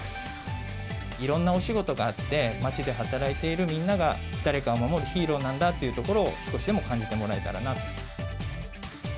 いろんなお仕事があって、街で働いているみんなが、誰かを守るヒーローなんだというところを、少しでも感じてもらえたらなと。